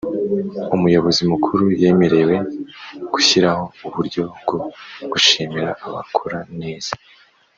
Umuyobozi Mukuru yemerewe gushyiraho uburyo bwo gushimira abakora neza.